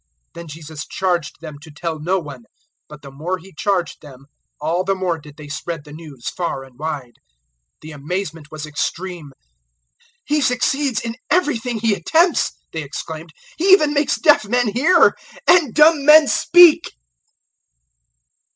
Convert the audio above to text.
007:036 Then Jesus charged them to tell no one; but the more He charged them, all the more did they spread the news far and wide. 007:037 The amazement was extreme. "He succeeds in everything he attempts," they exclaimed; "he even makes deaf men hear and dumb men speak!"